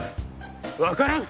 分からん。